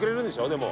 でも。